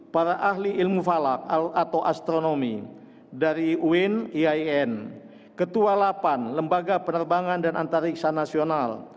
para ahli ilmu falak atau astronomi dari uin iain ketua delapan lembaga penerbangan dan antariksa nasional